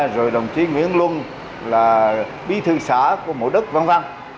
rồi đồng chí nguyễn luân là bí thư xã của mẫu đức v v